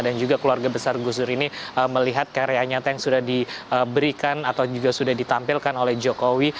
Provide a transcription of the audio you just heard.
dan juga keluarga besar gusur ini melihat karya nyata yang sudah diberikan atau juga sudah ditampilkan oleh jokowi